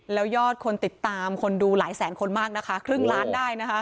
แล้วยอดคนติดตามคนดูหลายแสนคนมากนะคะครึ่งล้านได้นะคะ